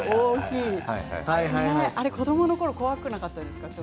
あれ、子どものころ怖くなかったですか。